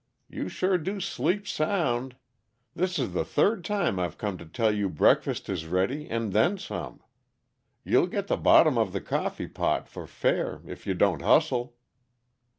You sure do sleep sound this is the third time I've come to tell you breakfast is ready and then some. You'll get the bottom of the coffeepot, for fair, if you don't hustle."